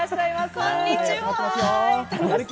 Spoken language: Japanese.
こんにちは。